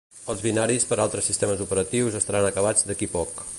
Els binaris per altres sistemes operatius estaran acabats d'aquí poc.